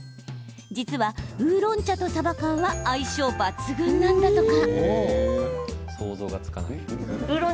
実は、ウーロン茶とさば缶は相性抜群なんだとか。